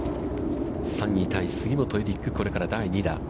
３位タイ、杉本エリック、これから第２打。